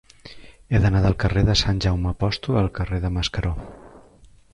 He d'anar del carrer de Sant Jaume Apòstol al carrer de Mascaró.